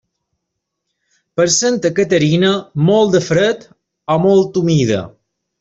Per Santa Caterina, molt de fred o molta humida.